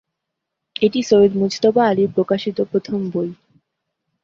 এটি সৈয়দ মুজতবা আলীর প্রকাশিত প্রথম বই।